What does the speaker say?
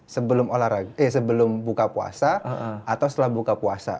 sebelum olahraga eh sebelum buka puasa atau setelah buka puasa